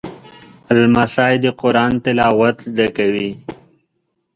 لمسی د قرآن تلاوت زده کوي.